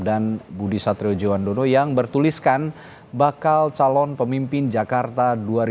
dan budi satrio juwandono yang bertuliskan bakal calon pemimpin jakarta dua ribu dua puluh empat